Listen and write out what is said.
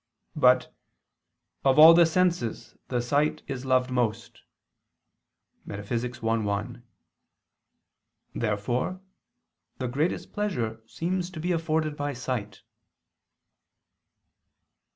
But "of all the senses the sight is loved most" [*Metaph. i, 1]. Therefore the greatest pleasure seems to be afforded by sight.